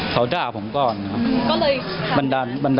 เขาด่าผมก่อนครับ